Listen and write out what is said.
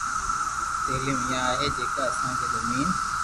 تعليم اها آهي جيڪا اسان کي زمين